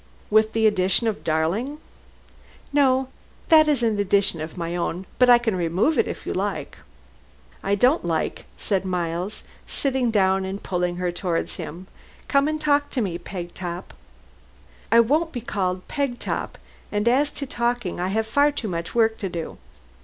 "With the addition of darling?" "No, that is an addition of my own. But I can remove it if you like." "I don't like," said Miles, sitting down and pulling her towards him, "come and talk to me, Pegtop." "I won't be called Pegtop, and as to talking, I have far too much work to do.